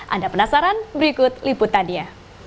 anda penasaran berikut liputannya